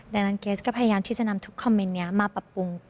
ดังนั้นเกรสก็พยายามที่จะนำทุกคอมเมนต์นี้มาปรับปรุง